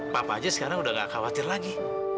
papa aja sekarang udah gak khawatir lagi